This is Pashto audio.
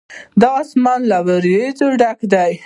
دا آسمان له وريځو ډک دی.